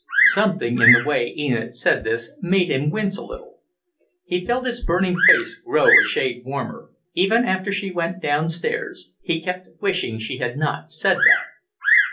Something in the way Enid said this made him wince a little. He felt his burning face grow a shade warmer. Even after she went downstairs he kept wishing she had not said that.